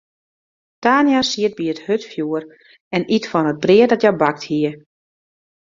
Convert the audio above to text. Tania siet by it hurdfjoer en iet fan it brea dat hja bakt hie.